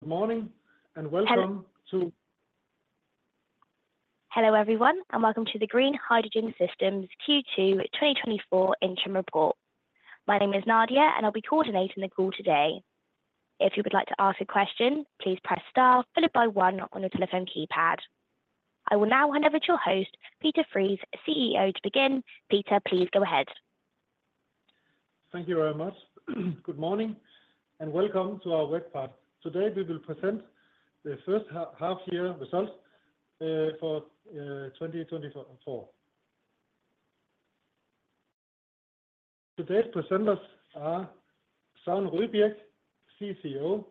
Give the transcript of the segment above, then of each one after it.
Good morning, and welcome to- Hello, everyone, and welcome to the Green Hydrogen Systems Q2 2024 Interim Report. My name is Nadia, and I'll be coordinating the call today. If you would like to ask a question, please press star followed by one on your telephone keypad. I will now hand over to your host, Peter Friis, CEO, to begin. Peter, please go ahead. Thank you very much. Good morning, and welcome to our webinar. Today, we will present the first half year results for 2024. Today's presenters are Søren Rydbirk, CCO,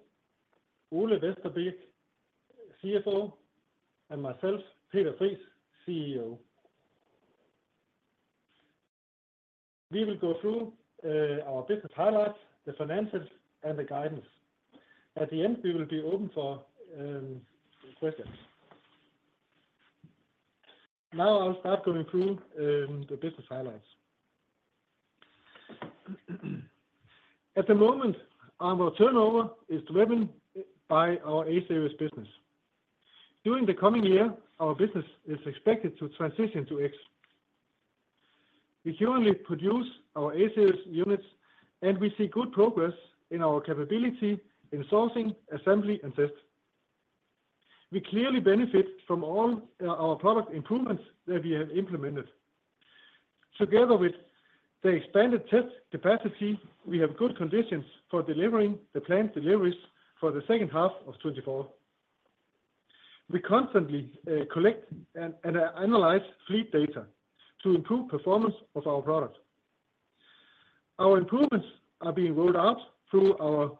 Ole Vesterbæk, CFO, and myself, Peter Friis, CEO. We will go through our business highlights, the finances, and the guidance. At the end, we will be open for questions. Now, I will start going through the business highlights. At the moment, our turnover is driven by our A-Series business. During the coming year, our business is expected to transition to X. We currently produce our A-Series units, and we see good progress in our capability in sourcing, assembly, and test. We clearly benefit from all our product improvements that we have implemented. Together with the expanded test capacity, we have good conditions for delivering the planned deliveries for the second half of 2024. We constantly collect and analyze fleet data to improve performance of our product. Our improvements are being rolled out through our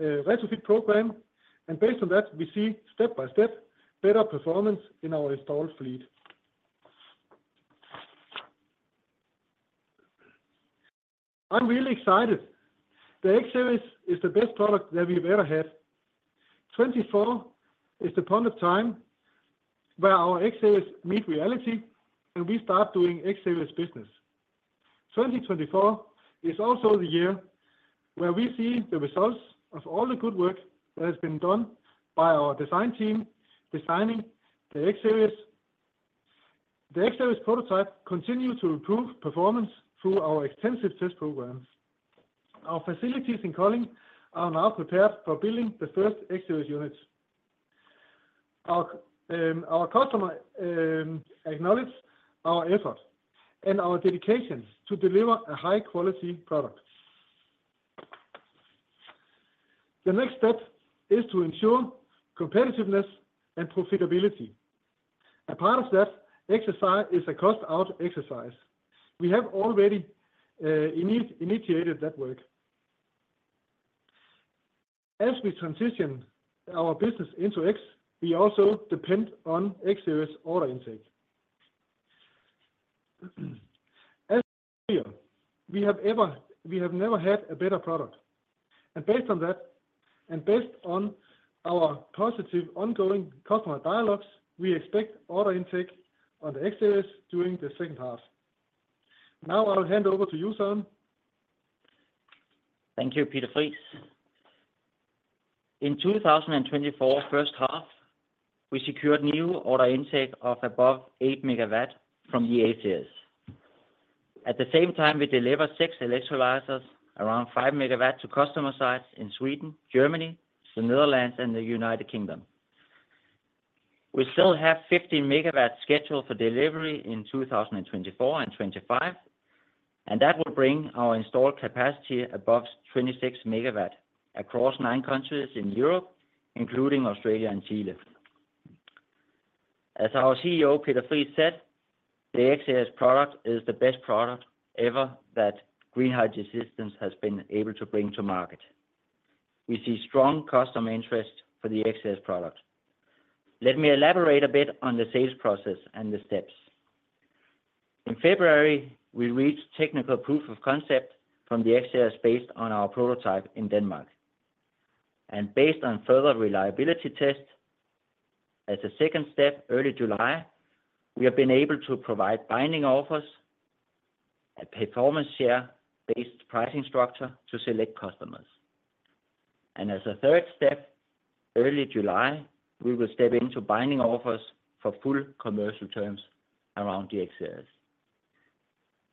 retrofit program, and based on that, we see step-by-step better performance in our installed fleet. I'm really excited. The X-Series is the best product that we've ever had. 2024 is upon the time where our X-Series meet reality, and we start doing X-Series business. 2024 is also the year where we see the results of all the good work that has been done by our design team, designing the X-Series. The X-Series prototype continue to improve performance through our extensive test programs. Our facilities in Kolding are now prepared for building the first X-Series units. Our customer acknowledge our effort and our dedication to deliver a high quality product. The next step is to ensure competitiveness and profitability. A part of that exercise is a cost-out exercise. We have already initiated that work. As we transition our business into X, we also depend on X-Series order intake. We have never had a better product, and based on that, and based on our positive, ongoing customer dialogues, we expect order intake on the X-Series during the second half. Now, I'll hand over to you, Søren. Thank you, Peter Friis. In 2024 first half, we secured new order intake of above 8MW from the A-Series. At the same time, we delivered 6 electrolyzers, around 5MW to customer sites in Sweden, Germany, the Netherlands, and the United Kingdom. We still have 15MW scheduled for delivery in 2024 and 2025, and that will bring our installed capacity above 26MW across 9 countries in Europe, including Australia and Chile. As our CEO, Peter Friis, said, "The X-Series product is the best product ever that Green Hydrogen Systems has been able to bring to market." We see strong customer interest for the X-Series product. Let me elaborate a bit on the sales process and the steps. In February, we reached technical proof of concept from the X-Series based on our prototype in Denmark. Based on further reliability tests, as a second step, early July, we have been able to provide binding offers, a performance share-based pricing structure to select customers. As a third step, early July, we will step into binding offers for full commercial terms around the X-Series.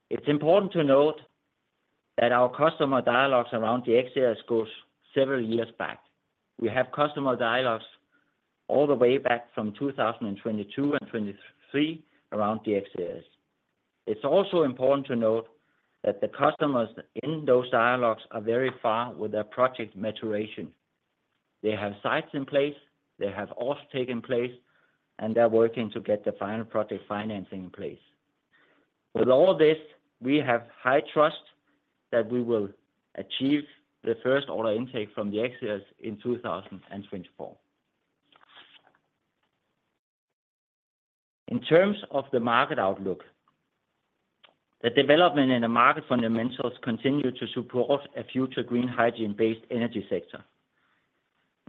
It's important to note that our customer dialogues around the X-Series goes several years back. We have customer dialogues all the way back from 2022 and 2023 around the X-Series. It's also important to note that the customers in those dialogues are very far with their project maturation. They have sites in place, they have off-takes in place, and they're working to get the final project financing in place. With all this, we have high trust that we will achieve the first order intake from the X-Series in 2024. In terms of the market outlook, the development in the market fundamentals continue to support a future green hydrogen-based energy sector.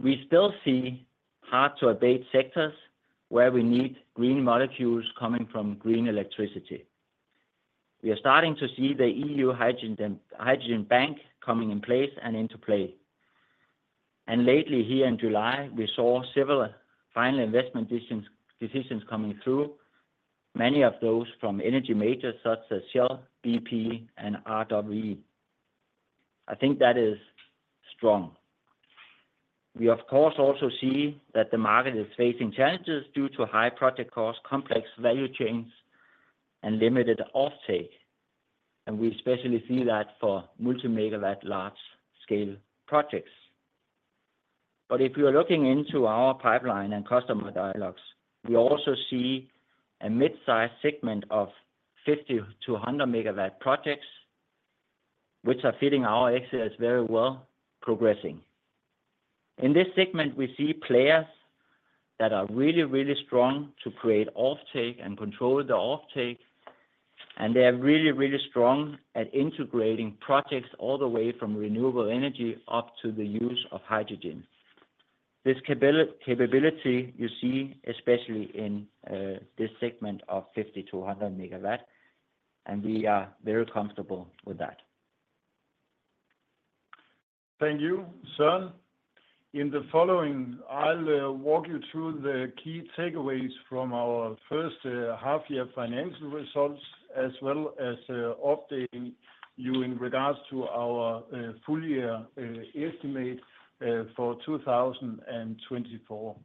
We still see hard-to-abate sectors where we need green molecules coming from green electricity. We are starting to see the EU Hydrogen Bank coming in place and into play. And lately, here in July, we saw several final investment decisions, decisions coming through, many of those from energy majors such as Shell, BP, and RWE. I think that is strong. We, of course, also see that the market is facing challenges due to high project costs, complex value chains, and limited off-take, and we especially see that for multi-megawatt large scale projects. But if you are looking into our pipeline and customer dialogues, we also see a mid-size segment of 50MW to 100MW projects, which are fitting our A-Series very well, progressing. In this segment, we see players that are really, really strong to create off-take and control the off-take, and they are really, really strong at integrating projects all the way from renewable energy up to the use of hydrogen. This capability you see, especially in this segment of 50MW-100MW, and we are very comfortable with that. Thank you, Søren. In the following, I'll walk you through the key takeaways from our first half year financial results, as well as updating you in regards to our full year estimate for 2024.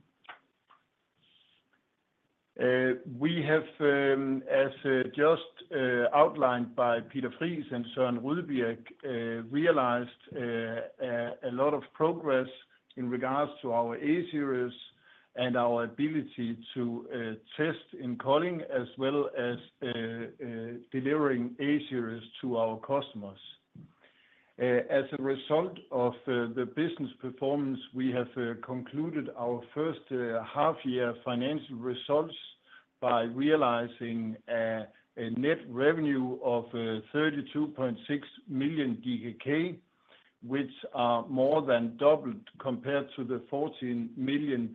We have, as just outlined by Peter Friis and Søren Rydbirk, realized a lot of progress in regards to our A-Series and our ability to test in Kolding, as well as delivering A-Series to our customers. As a result of the business performance, we have concluded our first half year financial results by realizing a net revenue of 32.6 million, which are more than doubled compared to the 14 million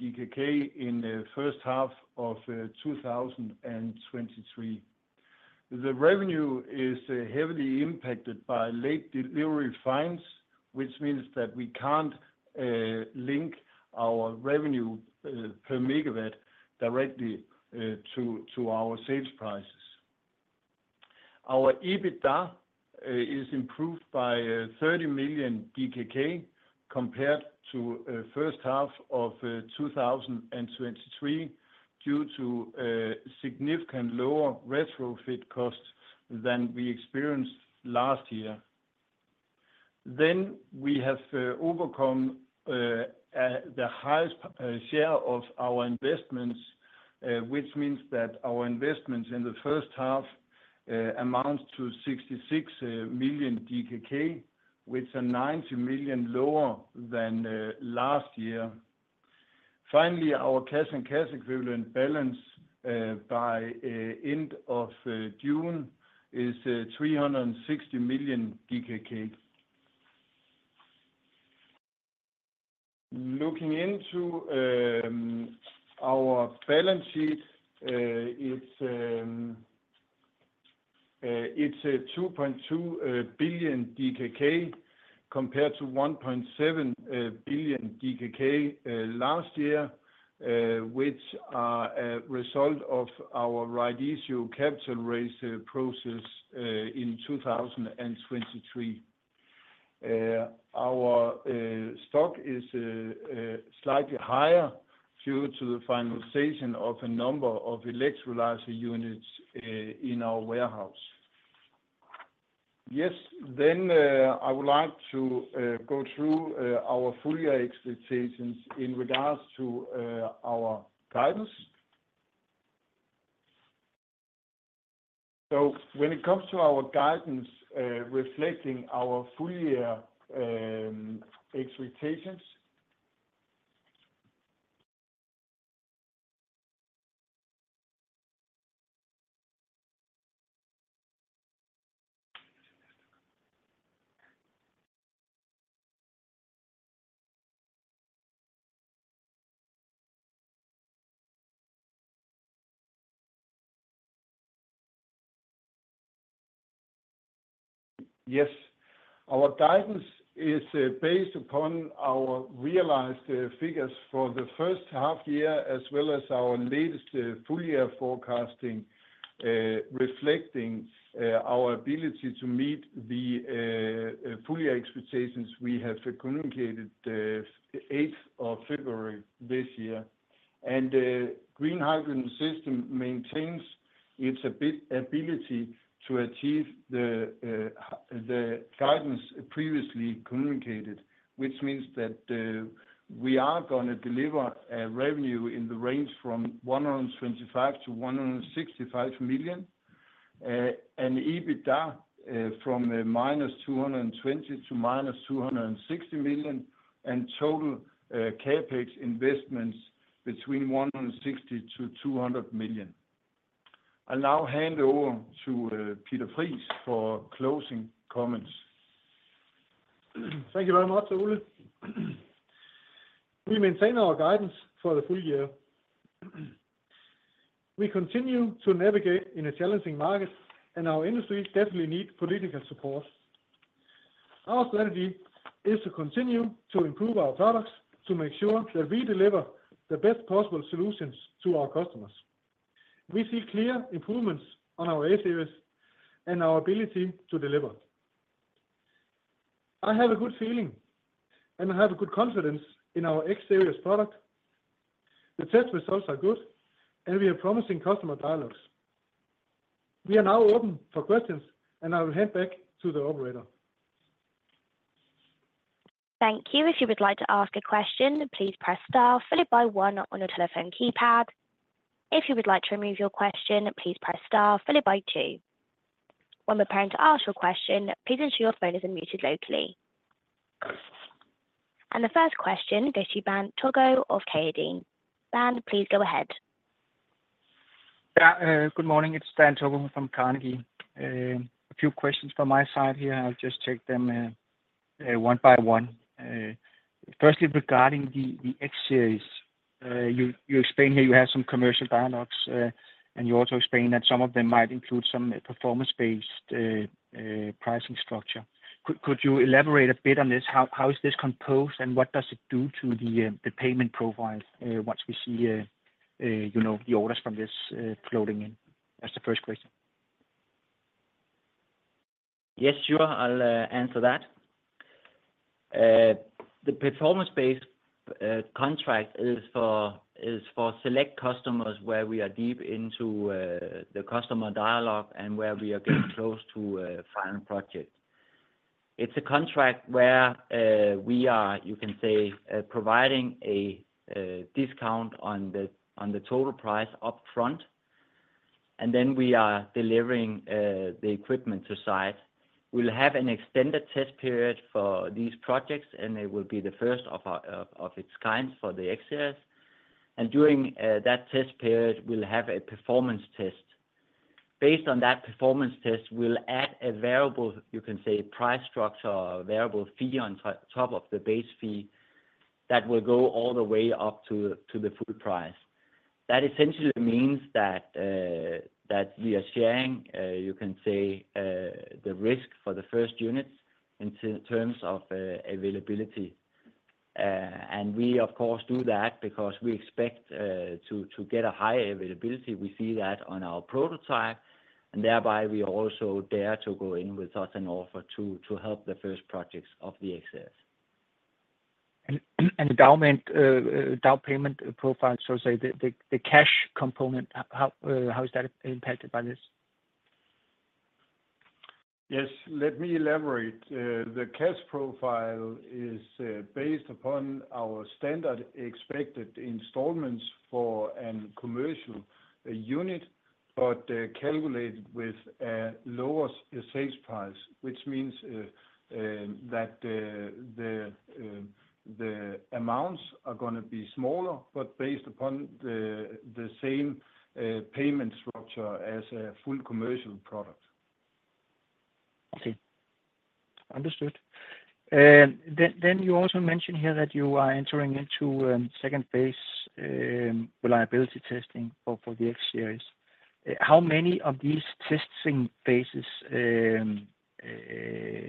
in the first half of 2023. The revenue is heavily impacted by late delivery fines, which means that we can't link our revenue per megawatt directly to our sales prices. Our EBITDA is improved by 30 million DKK, compared to first half of 2023, due to significant lower retrofit costs than we experienced last year. Then, we have overcome the highest share of our investments, which means that our investments in the first half amounts to 66 million DKK, which are 90 million lower than last year. Finally, our cash and cash equivalent balance by end of June is DKK 360 million. Looking into our balance sheet, it's 2.2 billion DKK, compared to 1.7 billion DKK last year, which are a result of our rights issue capital raise process in 2023. Our stock is slightly higher due to the finalization of a number of electrolyzer units in our warehouse. Yes. I would like to go through our full year expectations in regards to our guidance. When it comes to our guidance, reflecting our full year expectations... Yes. Our guidance is based upon our realized figures for the first half year, as well as our latest full year forecasting, reflecting our ability to meet the full year expectations we have communicated the eighth of February this year. Green Hydrogen Systems maintains its ability to achieve the guidance previously communicated, which means that we are gonna deliver revenue in the range from 125 million-165 million, and EBITDA from -220 million to -260 million, and total CapEx investments between 160 million-200 million. I'll now hand over to Peter Friis for closing comments.... Thank you very much, Ole. We maintain our guidance for the full year. We continue to navigate in a challenging market, and our industry definitely need political support. Our strategy is to continue to improve our products, to make sure that we deliver the best possible solutions to our customers. We see clear improvements on our A-Series and our ability to deliver. I have a good feeling, and I have a good confidence in our X-Series product. The test results are good, and we have promising customer dialogues. We are now open for questions, and I will hand back to the operator. Thank you. If you would like to ask a question, please press star followed by one on your telephone keypad. If you would like to remove your question, please press star followed by two. When preparing to ask your question, please ensure your phone is unmuted locally, and the first question goes to Dan Togo of Carnegie. Dan, please go ahead. Yeah, good morning, it's Dan Togo from Carnegie. A few questions from my side here, I'll just take them one by one. Firstly, regarding the X-Series, you explained here you have some commercial dialogues, and you also explained that some of them might include some performance-based pricing structure. Could you elaborate a bit on this? How is this composed, and what does it do to the payment profile, once we see, you know, the orders from this flowing in? That's the first question. Yes, sure. I'll answer that. The performance-based contract is for select customers where we are deep into the customer dialogue and where we are getting close to a final project. It's a contract where we are, you can say, providing a discount on the total price up front, and then we are delivering the equipment to site. We'll have an extended test period for these projects, and they will be the first of its kind for the X-Series. And during that test period, we'll have a performance test. Based on that performance test, we'll add a variable, you can say, price structure or a variable fee on top of the base fee that will go all the way up to the full price. That essentially means that, that we are sharing, you can say, the risk for the first units in terms of availability. And we, of course, do that because we expect to get a high availability. We see that on our prototype, and thereby we also dare to go in with us an offer to help the first projects of the X-Series. And the down payment profile, so say, the cash component, how is that impacted by this? Yes, let me elaborate. The cash profile is based upon our standard expected installments for a commercial unit, but calculated with a lower sales price, which means that the amounts are gonna be smaller, but based upon the same payment structure as a full commercial product. Okay. Understood. Then you also mentioned here that you are entering into second phase reliability testing for the X-Series. How many of these testing phases is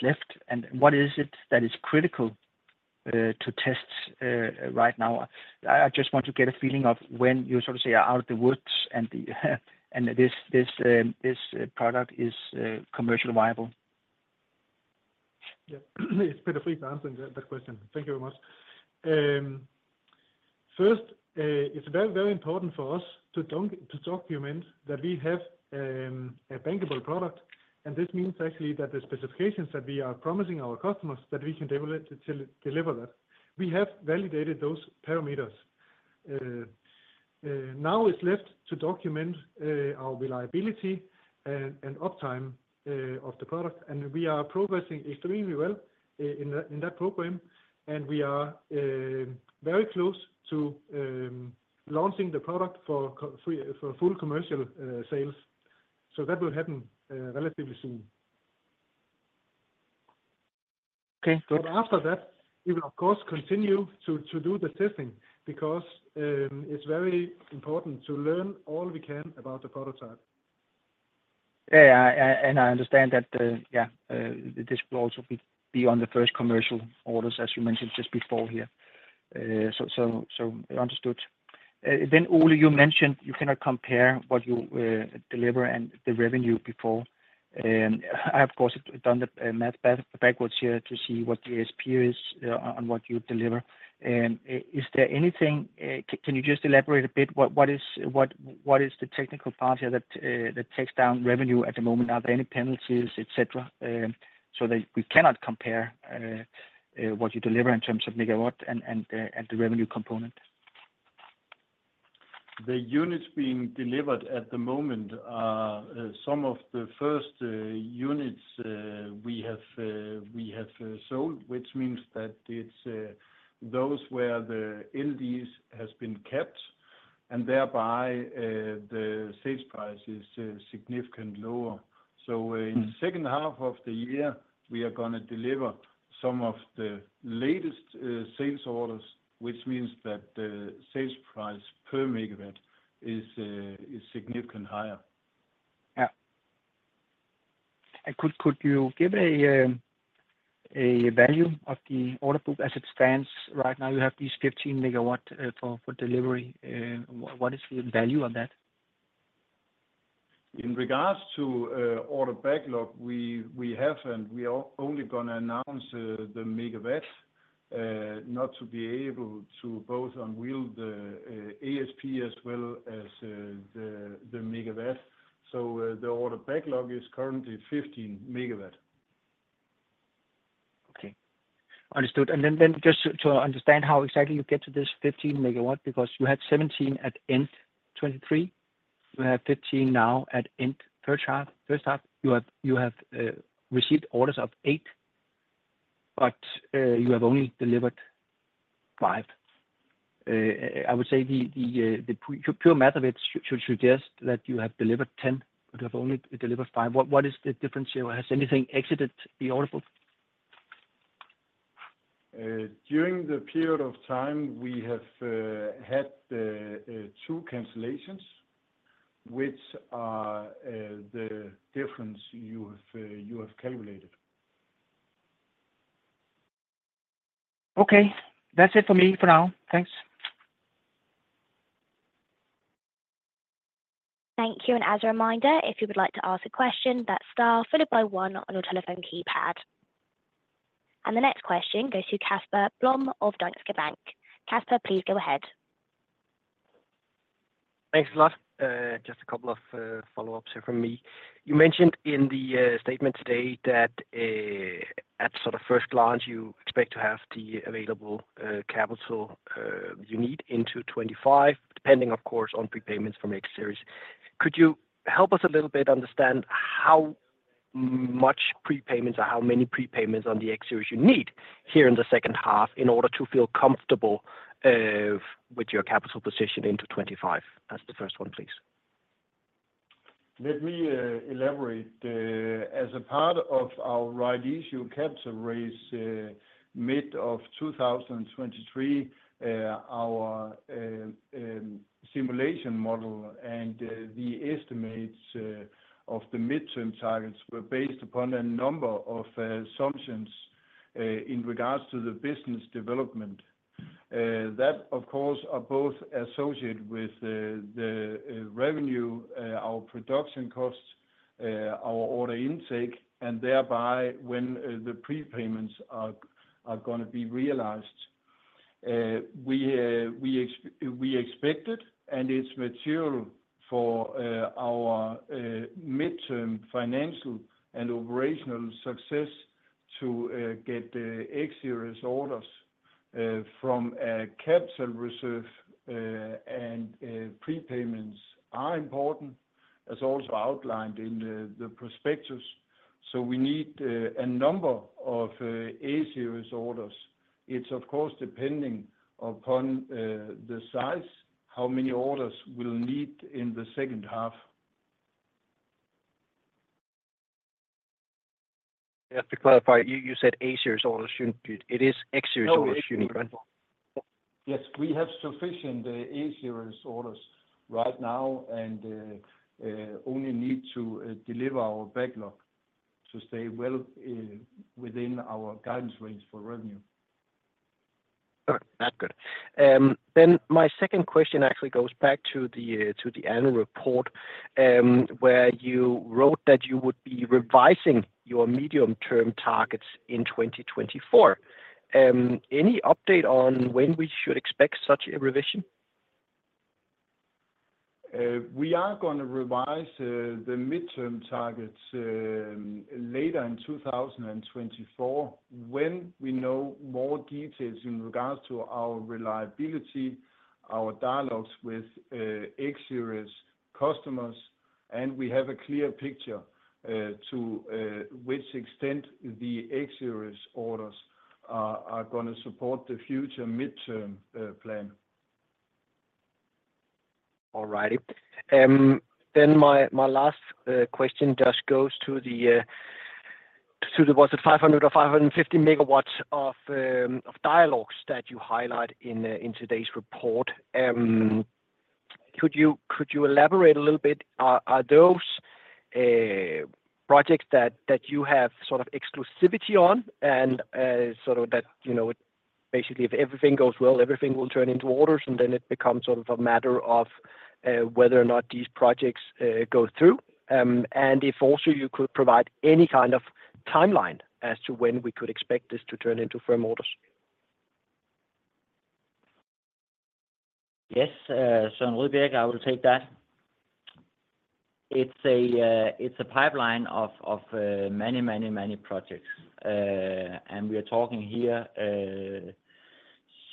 left, and what is it that is critical to test right now? I just want to get a feeling of when you sort of say are out of the woods and this product is commercially viable. Yeah. It's better for me to answer that question. Thank you very much. First, it's very, very important for us to document that we have a bankable product, and this means actually that the specifications that we are promising our customers, that we can deliver that. We have validated those parameters. Now it's left to document our reliability and uptime of the product, and we are progressing extremely well in that program, and we are very close to launching the product for full commercial sales. So that will happen relatively soon. Okay. But after that, we will, of course, continue to do the testing, because it's very important to learn all we can about the prototype. Yeah, yeah, and I understand that, yeah, this will also be on the first commercial orders, as you mentioned just before here. So understood. Then, Ole, you mentioned you cannot compare what you deliver and the revenue before, and I, of course, done the math backwards here to see what the ASP is on what you deliver. And is there anything? Can you just elaborate a bit, what is the technical part here that takes down revenue at the moment? Are there any penalties, et cetera, so that we cannot compare what you deliver in terms of megawatt and the revenue component? The units being delivered at the moment are some of the first units we have sold, which means that it's those where the LDs has been kept, and thereby the sales price is significantly lower, so in second half of the year, we are going to deliver some of the latest sales orders, which means that the sales price per megawatt is significant higher. Yeah. And could you give a value of the order book as it stands right now? You have these 15MW for delivery. What is the value of that? In regards to order backlog, we have, and we are only going to announce the megawatts, not to be able to both unveil the ASP as well as the megawatts. So the order backlog is currently 15MW. Okay. Understood. And then just to understand how exactly you get to this 15MW, because you had 17 at end 2023, you have 15 now at end first half. You have received orders of 8, but you have only delivered 5. I would say the pure math of it should suggest that you have delivered 10, but you have only delivered 5. What is the difference here? Or has anything exited the order book? During the period of time, we have had two cancellations, which are the difference you have calculated. Okay. That's it for me for now. Thanks. Thank you, and as a reminder, if you would like to ask a question, that's star followed by one on your telephone keypad. And the next question goes to Casper Blom of Danske Bank. Kasper, please go ahead. Thanks a lot. Just a couple of follow-ups here from me. You mentioned in the statement today that at sort of first glance, you expect to have the available capital you need into 2025, depending of course, on prepayments from X-Series. Could you help us a little bit understand how much prepayments or how many prepayments on the X-Series you need here in the second half in order to feel comfortable with your capital position into 2025? That's the first one, please. Let me elaborate. As a part of our rights issue capital raise, mid-2023, our simulation model and the estimates of the midterm targets were based upon a number of assumptions in regards to the business development. That, of course, are both associated with the revenue, our production costs, our order intake, and thereby when the prepayments are going to be realized. We expected, and it's material for our midterm financial and operational success to get the X-Series orders from a capital reserve, and prepayments are important, as also outlined in the prospectus. So we need a number of A-Series orders. It's of course depending upon the size, how many orders we'll need in the second half. Just to clarify, you, you said A-Series orders, shouldn't it? It is X-Series orders you need, right? Yes, we have sufficient A-Series orders right now and only need to deliver our backlog to stay well within our guidance range for revenue. All right. That's good. Then my second question actually goes back to the annual report, where you wrote that you would be revising your medium-term targets in 2024. Any update on when we should expect such a revision? We are going to revise the midterm targets later in 2024, when we know more details in regards to our reliability, our dialogues with X-Series customers, and we have a clear picture to which extent the X-Series orders are going to support the future midterm plan. All righty. Then my last question just goes to the... was it 500MW or 550MW of dialogues that you highlight in today's report. Could you elaborate a little bit? Are those projects that you have sort of exclusivity on and sort of that, you know, basically, if everything goes well, everything will turn into orders, and then it becomes sort of a matter of whether or not these projects go through. And if also you could provide any kind of timeline as to when we could expect this to turn into firm orders. Yes, Søren Rydbirk, I will take that. It's a pipeline of many, many, many projects. And we are talking here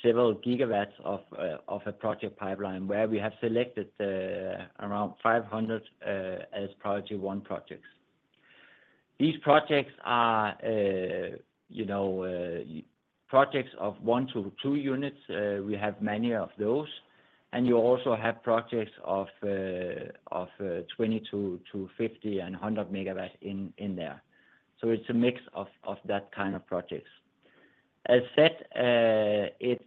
several gigawatts of a project pipeline where we have selected around 500 as priority one projects. These projects are, you know, projects of one to two units. We have many of those, and you also have projects of 20MW to 50MW and 100MW in there. So it's a mix of that kind of projects. As said, it's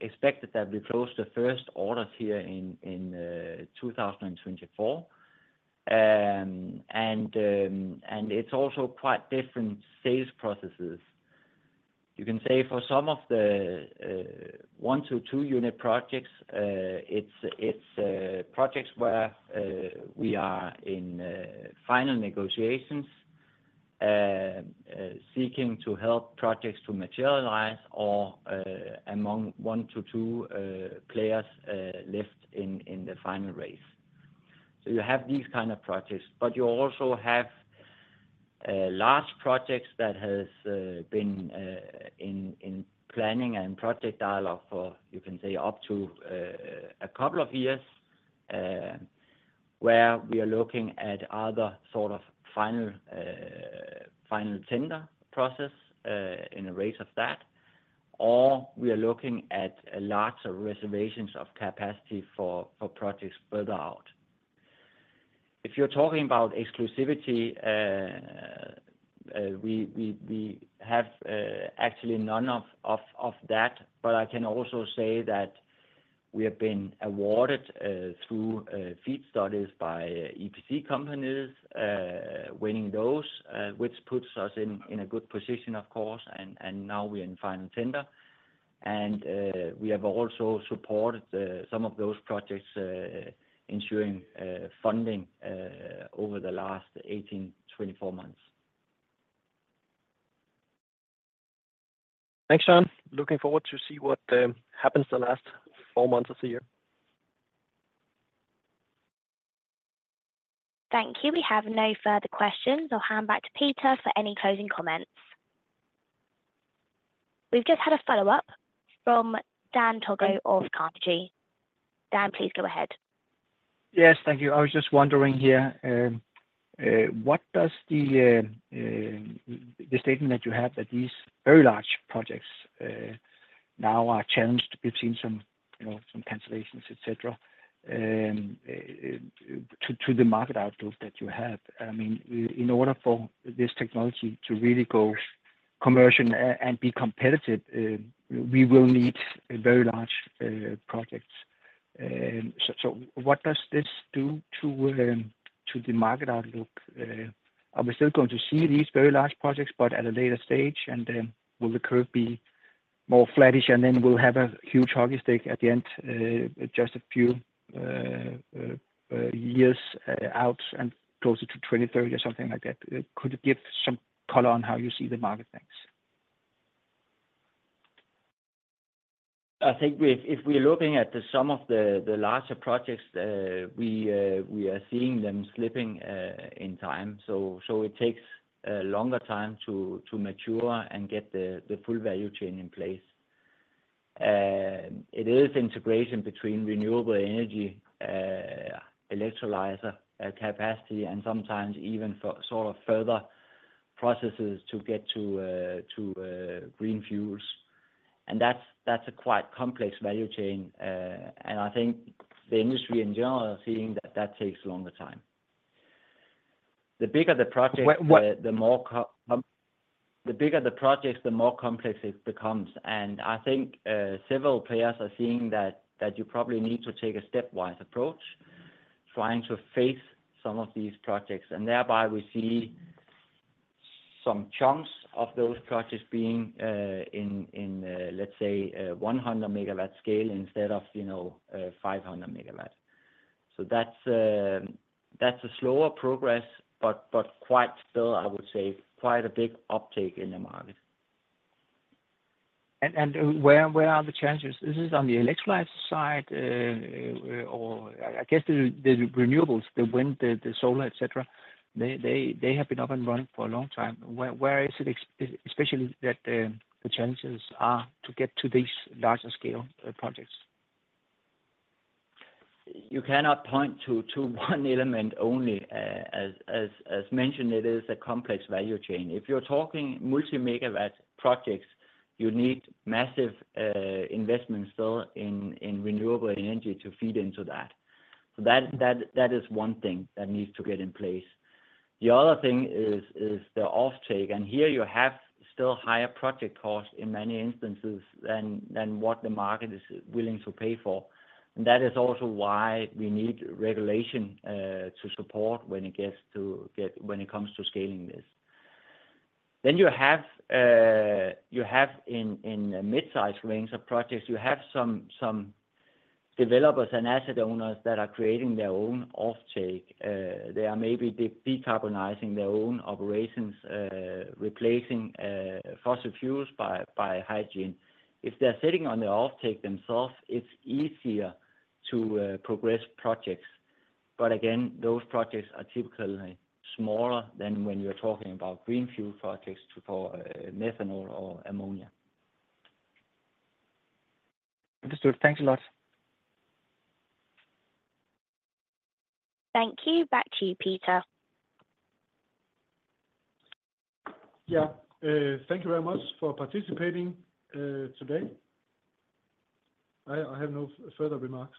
expected that we close the first orders here in 2024. And it's also quite different sales processes. You can say for some of the one to two unit projects, it's projects where we are in final negotiations, seeking to help projects to materialize or among one to two players left in the final race. So you have these kind of projects, but you also have large projects that has been in planning and project dialogue for, you can say, up to a couple of years, where we are looking at other sort of final tender process in a race of that, or we are looking at a larger reservations of capacity for projects further out. If you're talking about exclusivity, we have actually none of that, but I can also say that we have been awarded through FEED studies by EPC companies, winning those, which puts us in a good position, of course, and now we're in final tender. And we have also supported some of those projects, ensuring funding over the last 18 to 24 months. Thanks, Søren. Looking forward to see what happens the last four months of the year. Thank you. We have no further questions. I'll hand back to Peter for any closing comments. We've just had a follow-up from Dan Togo of Carnegie. Dan, please go ahead. Yes, thank you. I was just wondering here, what does the statement that you have that these very large projects now are challenged between some, you know, some cancellations, et cetera, to the market outlook that you have? I mean, in order for this technology to really go commercial and be competitive, we will need a very large projects. So, what does this do to the market outlook? Are we still going to see these very large projects, but at a later stage, and will the curve be more flattish, and then we'll have a huge hockey stick at the end, just a few years out and closer to 2030 or something like that? Could you give some color on how you see the market? Thanks. I think if we're looking at some of the larger projects, we are seeing them slipping in time, so it takes a longer time to mature and get the full value chain in place. It is integration between renewable energy, electrolyzer capacity, and sometimes even for sort of further processes to get to green fuels, and that's a quite complex value chain, and I think the industry in general are seeing that takes longer time. The bigger the project- Well, what- The bigger the projects, the more complex it becomes. I think several players are seeing that you probably need to take a stepwise approach, trying to face some of these projects, and thereby we see some chunks of those projects being in let's say, a 100MW scale instead of, you know, 500MW. So that's a slower progress, but quite still, I would say, quite a big uptake in the market. Where are the challenges? This is on the electrolyzer side, or I guess the renewables, the wind, the solar, et cetera. They have been up and running for a long time. Where is it especially that the challenges are to get to these larger scale projects? You cannot point to one element only. As mentioned, it is a complex value chain. If you're talking multi-megawatt projects, you need massive investment still in renewable energy to feed into that. So that is one thing that needs to get in place. The other thing is the off-take, and here you have still higher project costs in many instances than what the market is willing to pay for, and that is also why we need regulation to support when it comes to scaling this. Then you have in a mid-size range of projects, you have some developers and asset owners that are creating their own off-take. They are maybe decarbonizing their own operations, replacing fossil fuels by hydrogen. If they're sitting on the off-take themselves, it's easier to progress projects. But again, those projects are typically smaller than when you're talking about green fuel projects for methanol or ammonia. Understood. Thanks a lot. Thank you. Back to you, Peter. Yeah. Thank you very much for participating, today. I have no further remarks.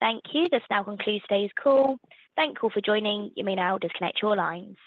Thank you. This now concludes today's call. Thank you for joining. You may now disconnect your lines.